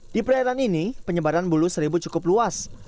di perairan ini penyebaran bulu seribu cukup luas